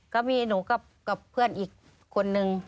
ก็มีหนูกับเพื่อนอีกคนนึง